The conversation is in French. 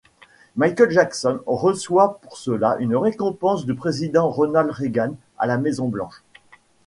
Michael Jackson reçoit pour cela une récompense du Président Ronald Reagan à la Maison-Blanche.